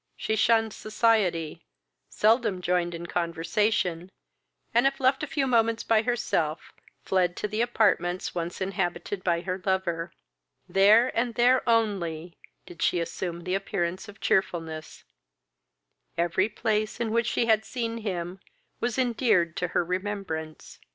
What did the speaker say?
She shunned society, seldom joined in conversation, and, if left a few moments by herself, fled to the apartments once inhabited by her lover; there, and there only, did she assume the appearance of cheerfulness; every place in which she had seen him was endeared to her remembrance.